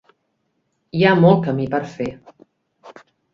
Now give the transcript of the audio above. Hi ha molt camí per fer.